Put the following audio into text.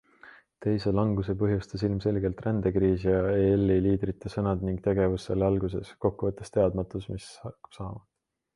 Teise languse põhjustas ilmselgelt rändekriis ja ELi liidrite sõnad ning tegevus selle alguses - kokkuvõttes teadmatus, mis hakkab saama.